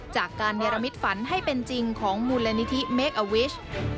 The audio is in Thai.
การเนรมิตฝันให้เป็นจริงของมูลนิธิเมคอวิช